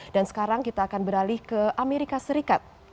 dan sekarang kita akan beralih ke amerika serikat